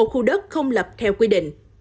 một khu đất không lập theo quy định